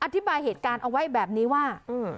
อธิบายเหตุการณ์เอาไว้แบบนี้ว่า